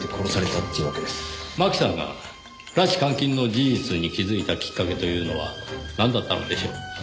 真紀さんが拉致監禁の事実に気づいたきっかけというのはなんだったのでしょう？